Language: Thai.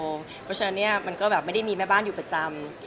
เพราะฉะนั้นเนี่ยมันก็แบบไม่ได้มีแม่บ้านอยู่ประจำ